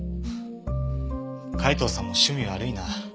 海東さんも趣味悪いな。